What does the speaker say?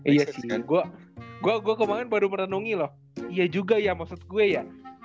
iya sih gue kemaren baru merenungi loh iya juga ya maksud gue ya